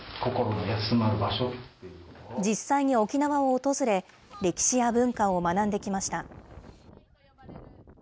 実際に沖縄を訪れ、歴史や文化を学んできました。